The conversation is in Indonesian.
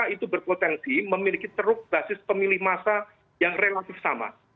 itu berpotensi memiliki teruk basis pemilih massa yang relatif sama